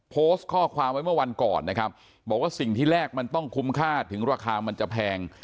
โพสต์ข้อความไว้เมื่อวันก่อนนะครับบอกว่าสิ่งที่แรกมันต้องคุ้มค่าถึงราคามันจะแพง